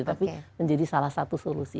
tapi menjadi salah satu solusi